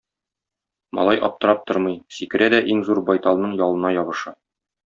Малай аптырап тормый, сикерә дә иң зур байталның ялына ябыша.